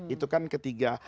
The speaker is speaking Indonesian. itu kan ketiga